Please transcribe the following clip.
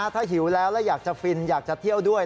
ถ้าหิวแล้วแล้วอยากจะฟินอยากจะเที่ยวด้วย